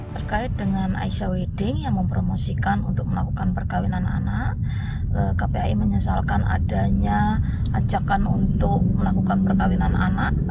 terkait dengan aisyah wedding yang mempromosikan untuk melakukan perkawinan anak kpai menyesalkan adanya ajakan untuk melakukan perkawinan anak